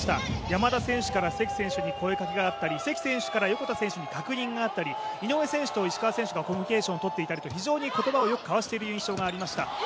山田選手から関選手に声掛けがあったり、関選手から横田選手に確認があったり井上選手と石川選手がコミュニケーションを取っていたり非常に言葉をよく交わしている印象がありました。